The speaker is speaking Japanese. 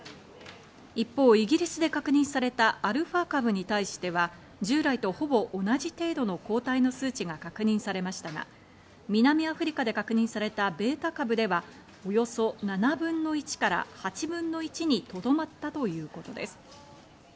一方、イギリスで確認されたアルファ株に対しては、従来とほぼ同じ程度の抗体の数値が確認されましたが、南アフリカで確認されたベータ株では、およそ７分の１から８分の１にとどまったということです。